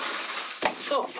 そう。